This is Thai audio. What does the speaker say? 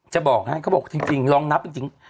จะบอกให้เขาบอกจริงลองนับจริง